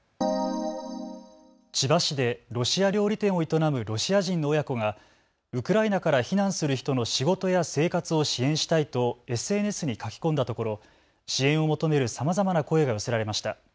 千葉市でロシア料理店を営むロシア人の親子がウクライナから避難する人の仕事や生活を支援したいとＳＮＳに書き込んだところ支援を求めるさまざまな声が寄せられました。